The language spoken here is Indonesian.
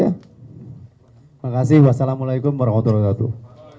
terima kasih wassalamu'alaikum warahmatullahi wabarakatuh